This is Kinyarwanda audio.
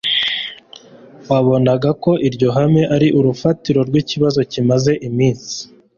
wabonaga ko ilyo hame ari urufatiro rw'ikibazo kimaze iminsi,